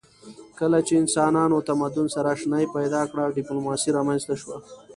کله چې انسانانو تمدن سره آشنايي پیدا کړه ډیپلوماسي رامنځته شوه